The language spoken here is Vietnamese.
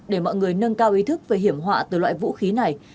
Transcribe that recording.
để mọi người nâng cao ý thức về hiểm họa từ loại vũ khí này